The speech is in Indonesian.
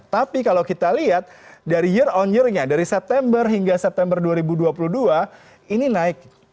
tapi kalau kita lihat dari year on year nya dari september hingga september dua ribu dua puluh dua ini naik